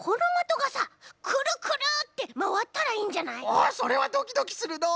おおそれはドキドキするのう！